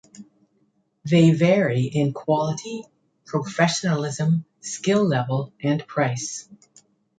They vary in quality, professionalism, skill level, and price.